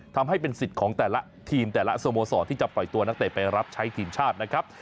ทำให้เป็นสิทธิ์ของแต่ละทีมแต่ละสโมสรที่จะปล่อยตัวนักเตะไปรับใช้ทีมชาตินะครับ